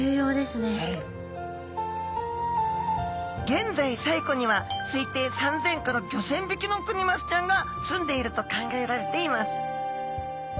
現在西湖には推定３，０００５，０００匹のクニマスちゃんがすんでいると考えられています。